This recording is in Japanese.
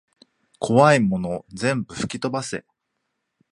こわいもの全部ふきとばせ